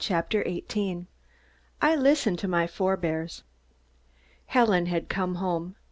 CHAPTER EIGHTEEN I LISTEN TO MY FOREBEARS Helen had come home.